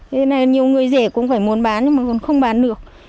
thế nên là nhiều người rể cũng phải muốn bán nhưng mà còn không bán được